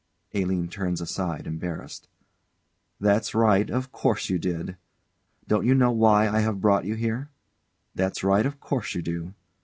[ALINE turns aside, embarrassed.] That's right of course you did. Don't you know why I have brought you here? That's right; of course you do.